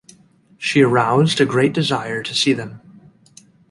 She aroused a great desire to see them.